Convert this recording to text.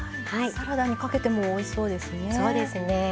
サラダにかけてもおいしそうですね。